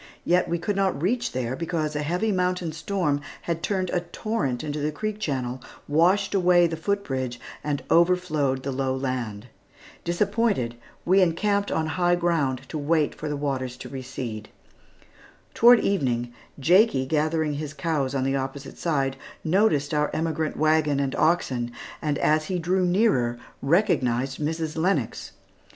Yet we could not reach there, because a heavy mountain storm had turned a torrent into the creek channel, washed away the foot bridge, and overflowed the low land. Disappointed, we encamped on high ground to wait for the waters to recede. Toward evening, Jakie gathering his cows on the opposite side, noticed our emigrant wagon, and oxen, and as he drew nearer recognized Mrs. Lennox.